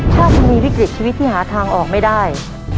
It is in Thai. ถ้าคุณมีวิกฤตชีวิตที่หาทางออกไม่ได้